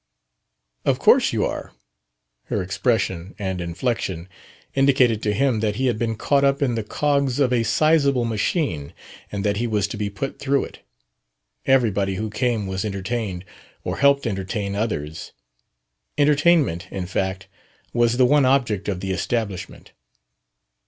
"Of course you are." Her expression and inflection indicated to him that he had been caught up in the cogs of a sizable machine, and that he was to be put through it. Everybody who came was entertained or helped entertain others. Entertainment, in fact, was the one object of the establishment.